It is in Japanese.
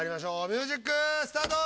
ミュージックスタート！